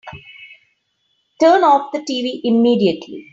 Turn off the tv immediately!